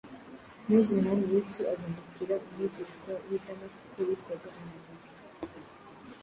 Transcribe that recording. maze Umwami Yesu abonekera “umwigishwa w’ i Damasiko witwaga Ananiya”